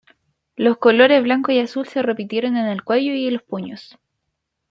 Los colores blanco y azul se repitieron en el cuello y los puños.